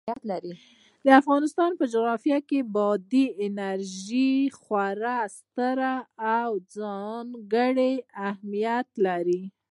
د افغانستان په جغرافیه کې بادي انرژي خورا ستر او ځانګړی اهمیت لري.